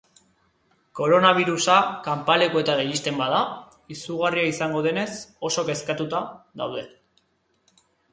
Koronabirusa kanpalekuetara iristen bada, izugarria izango denez, oso kezkatuta daude.